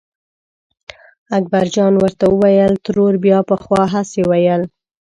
اکبرجان ورته وویل ترور بیا پخوا هسې ویل.